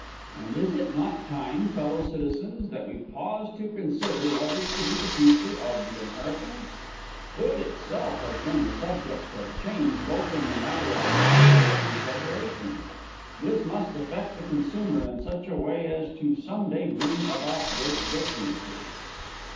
And is it not time, fellow citizens, that we pause to consider what is to be the future of the American? Food itself has been the subject of change both in the matter of material and preparation. This must affect the consumer in such a way as to some day bring about great differences.